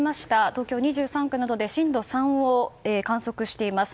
東京２３区などで震度３を観測しています。